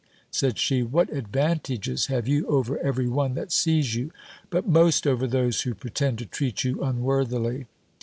said she, "what advantages have you over every one that sees you; but most over those who pretend to treat you unworthily!"